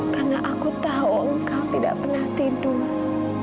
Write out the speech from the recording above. karena aku tahu engkau tidak pernah tidur